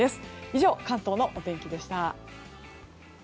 以上、関東のお天気でした。